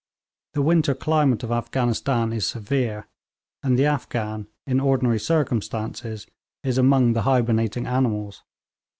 The winter climate of Afghanistan is severe, and the Afghan, in ordinary circumstances, is among the hibernating animals.